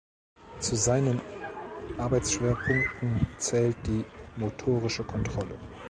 Zu seinen Arbeitsschwerpunkten zählt die motorische Kontrolle.